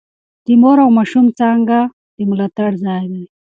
د مور او ماشوم څانګه د ملاتړ ځای دی.